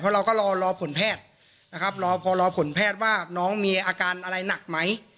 เราก็รอผลแพทย์นะครับรอพอรอผลแพทย์ว่าน้องมีอาการอะไรหนักไหม